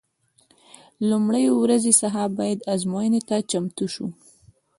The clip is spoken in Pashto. د لومړۍ ورځې څخه باید ازموینې ته چمتو شو.